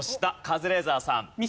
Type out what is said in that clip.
カズレーザーさん。